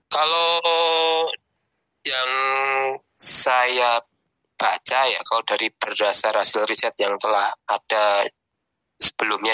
kalau yang saya baca ya kalau dari berdasar hasil riset yang telah ada sebelumnya